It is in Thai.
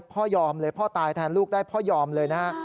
พ่อยอมเลยพ่อตายแทนลูกได้พ่อยอมเลยนะฮะ